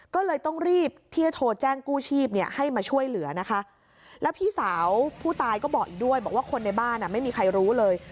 ก็เลยต้องรีบที่จะโทรแจ้งกู้ชีพให้มาช่วยเหลือนะคะแล้วพี่สาวผู้ตายก็บอกอีกด้วยบอกว่าคนในบ้านไม่มีใครรู้เลย